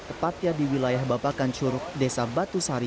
tepatnya di wilayah bapak kancuruk desa batu sari